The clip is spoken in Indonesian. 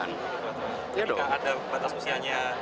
tidak ada batas usianya